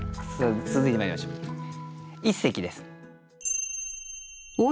続いてまいりましょう一席です。